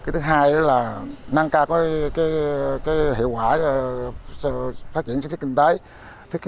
thứ hai là năng cao cái hiệu quả phát triển sản xuất kinh tế